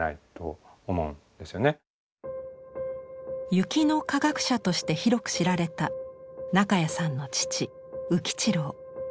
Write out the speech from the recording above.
「雪の科学者」として広く知られた中谷さんの父宇吉郎。